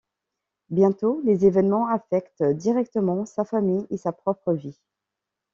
Bientôt, les évènements affectent directement sa famille et sa propre vie.